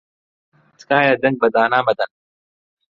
تکایە دەنگ بە دانا مەدەن.